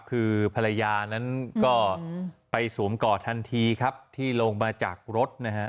คือภรรยานั้นก็ไปสวมก่อทันทีครับที่ลงมาจากรถนะฮะ